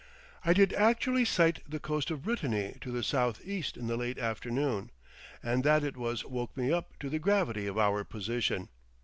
I did actually sight the coast of Brittany to the southeast in the late afternoon, and that it was woke me up to the gravity of our position.